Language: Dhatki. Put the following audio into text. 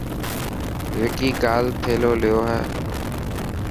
وڪي ڪال ٿيلو ليو هي.